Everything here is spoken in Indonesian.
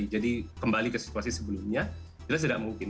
jadi kembali ke situasi sebelumnya jelas tidak mungkin